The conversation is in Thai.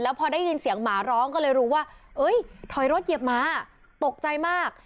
พอได้ยินเสียงหมาร้องก็เลยรู้ว่าถอยรถเหยียบหมาตกใจมาก